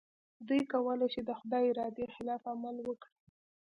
دوی کولای شي د خدای د ارادې خلاف عمل وکړي.